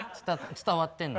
伝わってんの。